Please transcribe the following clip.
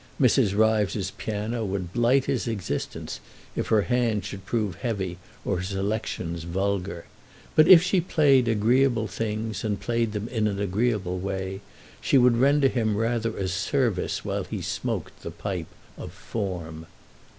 Mrs. Ryves's piano would blight his existence if her hand should prove heavy or her selections vulgar; but if she played agreeable things and played them in an agreeable way she would render him rather a service while he smoked the pipe of "form."